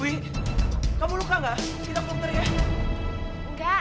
wi kamu luka gak kita peluk teriak